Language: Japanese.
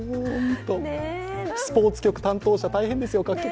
スポーツ局担当者、大変ですよ、各局。